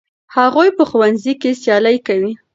هغوی په ښوونځي کې سیالي کوي.